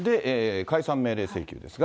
解散命令請求ですが。